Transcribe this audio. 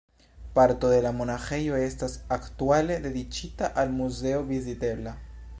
Parto de la monaĥejo estas aktuale dediĉita al muzeo vizitebla.